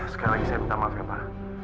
sekali lagi saya minta maaf pak